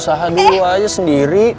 usaha dulu aja sendiri